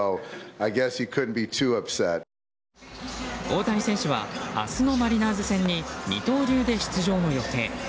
大谷選手は明日のマリナーズ戦に二刀流で出場の予定。